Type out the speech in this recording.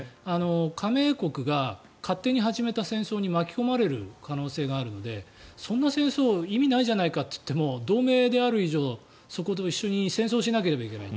加盟国が勝手に始めた戦争に巻き込まれる可能性があるのでそんな戦争意味ないじゃないかといっても同盟である以上そこと一緒に戦争しなければいけない。